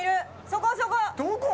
そこ、そこ！